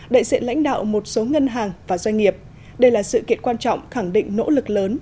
đại diện lãnh đạo một số ngân hàng và doanh nghiệp đây là sự kiện quan trọng khẳng định nỗ lực lớn